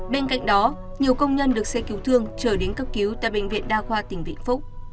bên cạnh đó nhiều công nhân được xe cứu thương trở đến cấp cứu